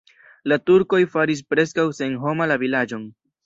La turkoj faris preskaŭ senhoma la vilaĝon.